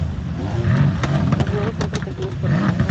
Los huevos son protegidos por el macho.